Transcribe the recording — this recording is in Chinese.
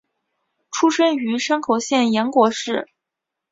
出身于山口县岩国市。